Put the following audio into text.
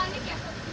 tadi panik ya